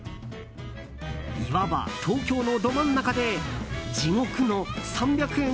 いわば東京のど真ん中で地獄の３００円